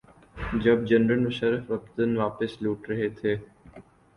جب جنرل مشرف وطن واپس لوٹ رہے تھے۔